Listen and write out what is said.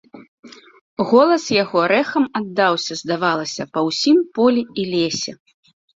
Голас яго рэхам аддаўся, здавалася, па ўсім полі і лесе.